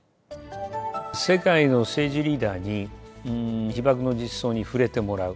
世界の政治リーダーに、被爆の実相に触れてもらう。